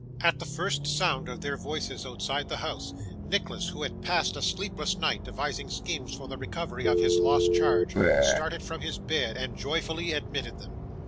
At the first sound of their voices outside the house, Nicholas, who had passed a sleepless night, devising schemes for the recovery of his lost charge, started from his bed, and joyfully admitted them.